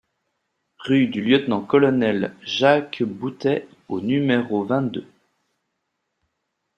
Rue du Lt Colonel Jacques Boutet au numéro vingt-deux